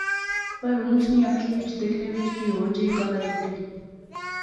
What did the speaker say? پر ہن اس نی اکھی وچ دیکھنے وچ کی ہور جئی کل آئی اٹھی